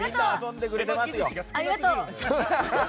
ありがとう！